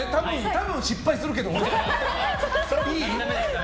多分、失敗するけど。